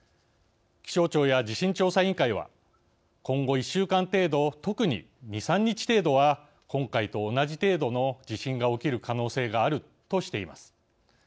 気象庁や地震調査委員会は今後１週間程度特に２３日程度は今回と同じ程度の地震が起きる可能性があるとしています。